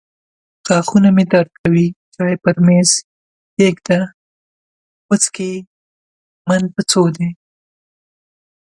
غاښونه مې درد کوي. چای پر مېز کښېږده. وڅکې من په څو دي.